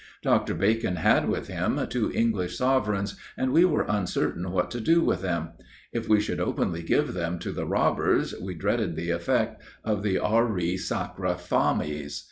Dr. Bacon had with him two English sovereigns, and we were uncertain what to do with them. If we should openly give them to the robbers, we dreaded the effect of the auri sacra fames.